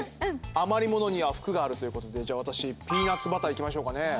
余り物には福があるということでじゃ私ピーナツバターいきましょうかね。